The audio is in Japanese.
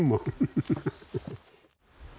フフフフ。